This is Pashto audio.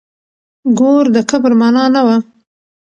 ګور د کبر مانا نه وه.